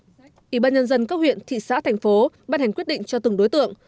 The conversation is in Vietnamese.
ủy ban nhân dân các huyện thị xã thành phố ban hành quyết định cho từng đối tượng